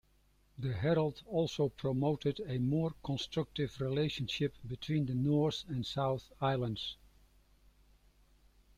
The "Herald" also promoted a more constructive relationship between the North and South Islands.